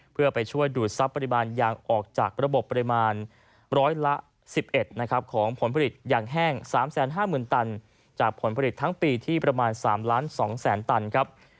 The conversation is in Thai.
เพื่อไปช่วยดูดทรัพย์ปริมาณยางออกจากระบบปริมาณร้อยละ๑๑นะครับของผลผลิตยางแห้ง๓๕๐๐๐ตันจากผลผลิตทั้งปีที่ประมาณ๓๒๐๐๐ตันครับ